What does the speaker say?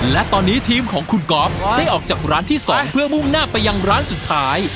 และตอนนี้ทีมของคุณก๊อฟได้ออกจากร้านที่๒เพื่อมุ่งหน้าไปยังร้านสุดท้าย